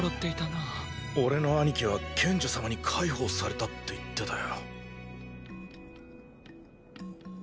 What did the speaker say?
俺の兄貴は賢者様に介抱されたって言ってたよ。